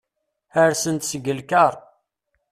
Rsen-d seg lkar.